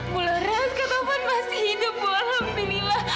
mula raz kak taufan masih hidup bu alhamdulillah